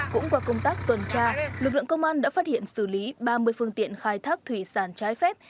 cũng qua công tác tuần tra lực lượng công an đã phát hiện xử lý ba mươi phương tiện khai thác thủy sản trái phép